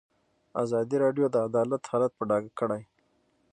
ازادي راډیو د عدالت حالت په ډاګه کړی.